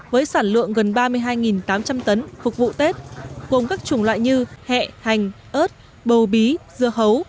với sản lượng gần ba mươi hai tám trăm linh tấn phục vụ tết gồm các chủng loại như hẹn hành ớt bầu bí dưa hấu